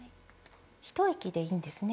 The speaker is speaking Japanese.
一息でいいんですね